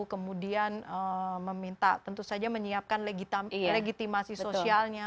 kemudian meminta tentu saja menyiapkan legitimasi sosialnya